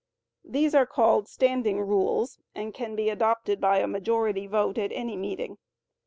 These are called Standing Rules, and can be adopted by a majority vote at any meeting.